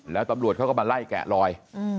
แล้วตำรวจเขาก็มาไล่แกะลอย